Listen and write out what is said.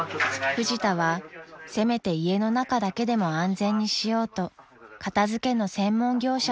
［フジタはせめて家の中だけでも安全にしようと片付けの専門業者を呼びました］